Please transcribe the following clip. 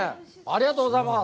ありがとうございます！